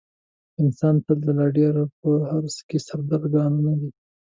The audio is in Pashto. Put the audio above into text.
انسان تل د لا ډېرو په حرص کې سرګردانه وي.